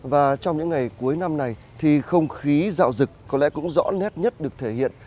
và trong những ngày cuối năm này thì không khí dạo rực có lẽ cũng rõ nét nhất được thể hiện